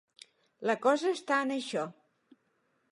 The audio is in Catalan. La cosa està en això.